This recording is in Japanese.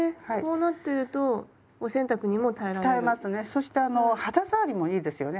そしてあの肌触りもいいですよね。